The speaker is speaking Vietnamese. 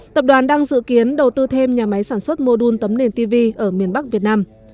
tập đoàn đang dự kiến đầu tư thêm nhà máy sản xuất mô đun tấm nền tv ở miền bắc việt nam